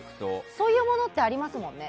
そういうものってありますものね。